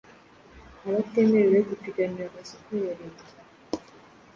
Abatemerewe gupiganira amasoko ya Leta